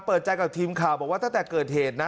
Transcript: เปิดใจกับทีมข่าวบอกว่าตั้งแต่เกิดเหตุนะ